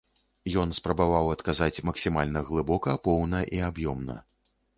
Ён спрабаваў адказаць максімальна глыбока, поўна і аб'ёмна.